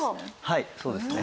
はいそうですね。